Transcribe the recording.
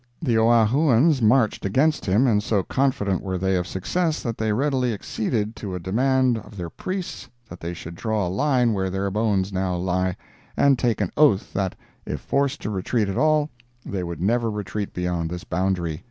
The Oahuans marched against him, and so confident were they of success that they readily acceded to a demand of their priests that they should draw a line where these bones now lie, and take an oath that, if forced to retreat at all, they would never retreat beyond this boundary.